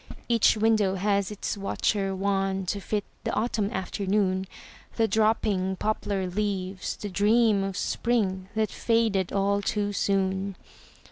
Each window has its watcher wan To fit the autumn afternoon, The dropping poplar leaves, the dream Of spring that faded all too soon.